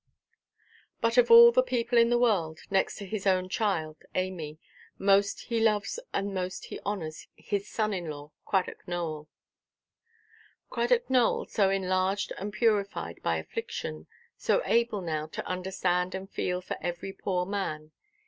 But of all the people in the world, next to his own child Amy, most he loves and most he honours his son–in–law, Cradock Nowell— Cradock Nowell, so enlarged and purified by affliction, so able now to understand and feel for every poor man.